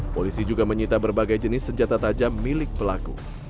polisi juga menyita berbagai jenis senjata tajam milik pelaku